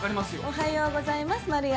おはようございます丸屋さん。